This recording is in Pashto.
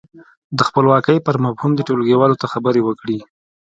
د خپلواکۍ پر مفهوم دې ټولګیوالو ته خبرې وکړي.